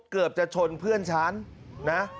เกือบจะชนเพื่อนฉันนะ